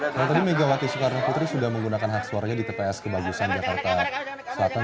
kalau tadi megawaki soekarno putri sudah menggunakan aksuarnya di tps kebagusan jakarta selatan